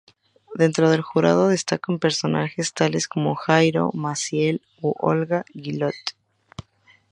Dentro del jurado destacan personajes tales como Jairo, Massiel u Olga Guillot.